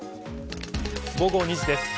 午後２時です。